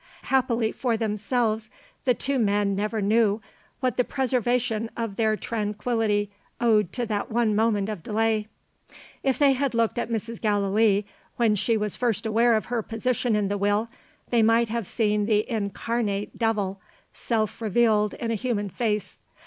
Happily for themselves, the two men never knew what the preservation of their tranquillity owed to that one moment of delay. If they had looked at Mrs. Gallilee, when she was first aware of her position in the Will, they might have seen the incarnate Devil self revealed in a human face.